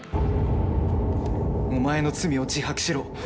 お前の罪を自白しろ。